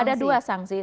ada dua sanksi